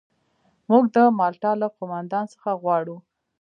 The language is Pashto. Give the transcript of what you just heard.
موږ د مالټا له قوماندان څخه غواړو.